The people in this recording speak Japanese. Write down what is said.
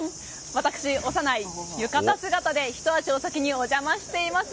私、小山内浴衣姿でひと足お先にお邪魔しています。